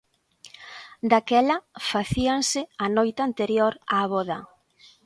Daquela facíanse a noite anterior a voda.